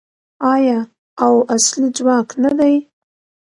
آیا او اصلي ځواک نه دی؟